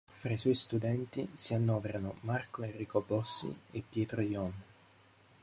Fra i suoi studenti si annoverano Marco Enrico Bossi e Pietro Yon.